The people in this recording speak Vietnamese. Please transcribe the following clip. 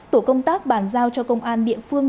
tổ công tác bàn giao cho công an địa phương